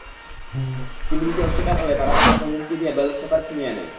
তিনি দিতে অস্বীকার করলে তাঁরা তাঁকে হুমকি দিয়ে ব্যালট পেপার ছিনিয়ে নেন।